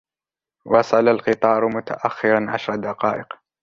وصل القطار متأخرا عشر دقائق.